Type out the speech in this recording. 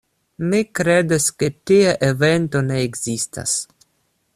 Mi kredas ke tia evento ne ekzistas.